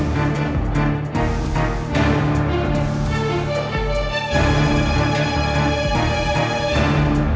terus terus lari sayang